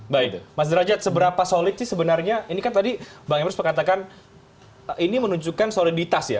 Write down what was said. baik mas derajat seberapa solid sih sebenarnya ini kan tadi bang emrus mengatakan ini menunjukkan soliditas ya